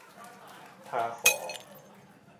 ถ้าขอ